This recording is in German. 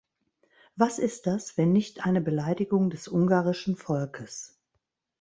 Was ist das, wenn nicht eine Beleidigung des ungarischen Volkes?